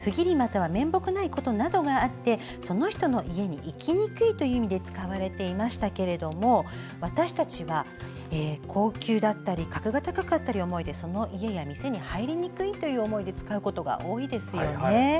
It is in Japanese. もともとは不義理または面目ないことなどがあってその人の家に行きにくいという意味で使われていましたが私たちは高級だったり格が高かったり思えてその家・店に入りにくいという思いで使うことが多いですよね。